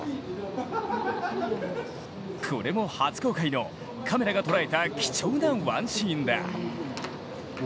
これも初公開のカメラが捉えた貴重なワンシーンだ。